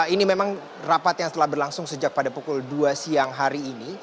ini memang rapat yang telah berlangsung sejak pada pukul dua siang hari ini